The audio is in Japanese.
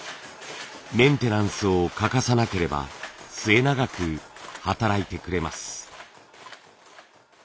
メンテナンスを欠かさなければ末永く働いてくれます。